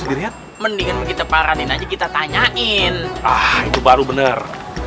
mendingan kita paranin aja kita tanyain ah itu baru bener